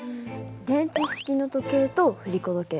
電池式の時計と振り子時計。